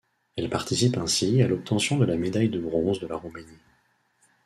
Elle participe ainsi à l'obtention de la médaille de bronze de la Roumanie.